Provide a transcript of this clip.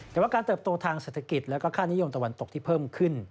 แต่ว่าการเติบโตทางเศรษฐกิจและค่านิยมตะวันตกที่เพิ่มขึ้น